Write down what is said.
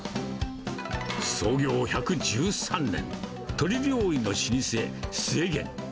創業１１３年、鶏料理の老舗、末げん。